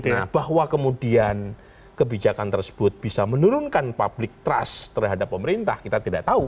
nah bahwa kemudian kebijakan tersebut bisa menurunkan public trust terhadap pemerintah kita tidak tahu